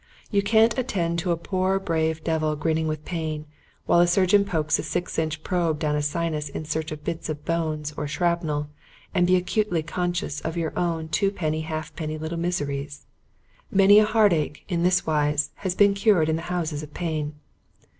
You can't attend to a poor brave devil grinning with pain, while a surgeon pokes a six inch probe down a sinus in search of bits of bone or shrapnel, and be acutely conscious of your own two penny half penny little miseries. Many a heartache, in this wise, has been cured in the Houses of Pain.